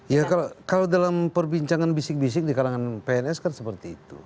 ya kalau dalam perbincangan bisik bisik di kalangan pns kan seperti itu